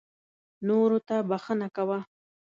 نورو ته بښنه کوه .